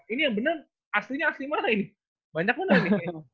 ini yang bener aslinya asli mana ini banyak mana ini